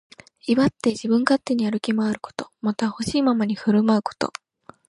威張って自分勝手に歩き回ること。また、ほしいままに振る舞うこと。